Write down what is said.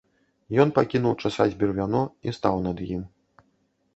Ён пакінуў часаць бервяно і стаў над ім.